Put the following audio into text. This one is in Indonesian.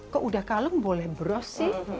kok udah kalung boleh bro sih